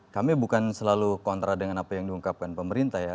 kami bukan selalu kontra dengan apa yang diungkapkan pemerintah ya